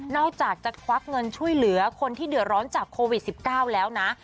อกจากจะควักเงินช่วยเหลือคนที่เดือดร้อนจากโควิด๑๙แล้วนะ